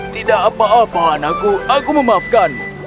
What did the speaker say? tidak apa apa anakku aku memaafkanmu